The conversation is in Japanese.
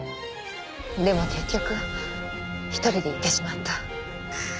でも結局一人で逝ってしまった。